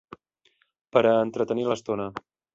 Per a entretenir l'estona